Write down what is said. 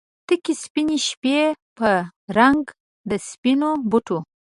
تکې سپینې شپې په رنګ د سپینو بتو